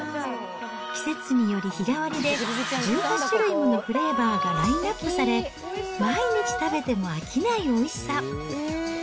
季節により、日替わりで１８種類ものフレーバーがラインナップされ、毎日食べても飽きないおいしさ。